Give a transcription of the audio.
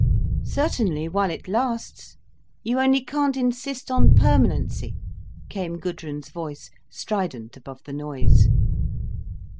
"Certainly, while it lasts—you only can't insist on permanency," came Gudrun's voice, strident above the noise.